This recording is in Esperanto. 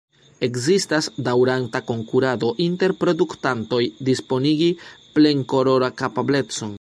Ekzistas daŭranta konkurado inter produktantoj disponigi plen-kolorokapablecon.